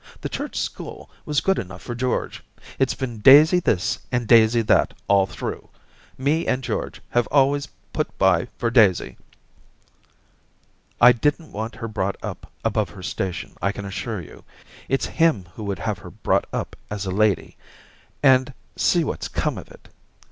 The Church school was good enough for George. It's been Daisy this and Daisy that all through. Me and George have been always put by for Daisy. I didn't want her brought up above her station, I can assure you. It's him who would have her brought up as a lady ; and see what's come of it